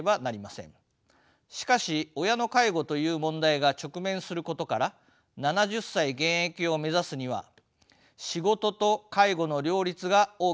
しかし親の介護という問題が直面することから７０歳現役を目指すには仕事と介護の両立が大きな課題となります。